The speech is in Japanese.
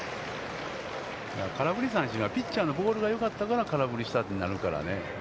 空振り三振はピッチャーのボールがよかったから空振りしたってなるからね。